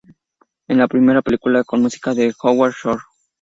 Es la primera película con música de Howard Shore.